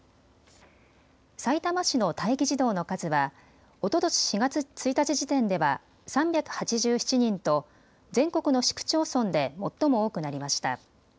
さいたま市の待機児童の数はおととし４月１日時点では３８７人と全国の市区町村で最も多くなりました。